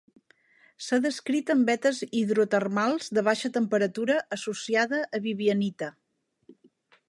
S’ha descrit en vetes hidrotermals de baixa temperatura, associada a vivianita.